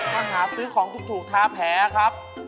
หาซื้อของถูกทาแผลครับ